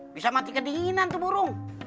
bisa mati kedinginan tuh burung